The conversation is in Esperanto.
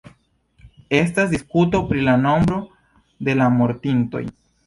Estas diskuto pri la nombro de mortintoj.